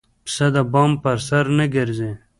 پسه د بام پر سر نه ګرځي.